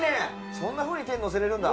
そんなふうに手にのせれるんだ・